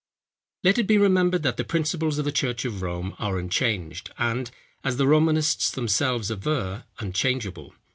_ Let it be remembered that the principles of the church of Rome are unchanged, and, as the Romanists themselves aver, unchangeable.